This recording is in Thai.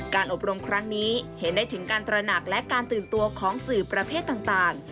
อบรมครั้งนี้เห็นได้ถึงการตระหนักและการตื่นตัวของสื่อประเภทต่าง